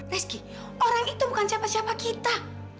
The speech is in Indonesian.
reski orang itu bukan siapa siapa kita